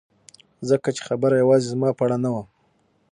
ځکه چې خبره یوازې زما په اړه نه وه